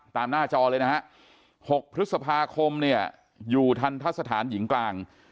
หน้าจอเลยนะฮะ๖พฤษภาคมเนี่ยอยู่ทันทะสถานหญิงกลาง